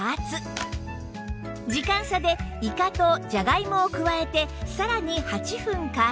時間差でイカとじゃがいもを加えてさらに８分加圧